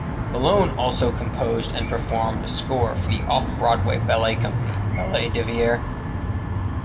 Malone also composed and performed a score for the off-Broadway ballet company Ballet Deviare.